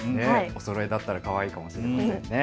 おそろいだったらかわいいかもしれませんね。